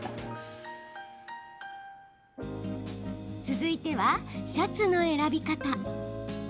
続いては、シャツの選び方。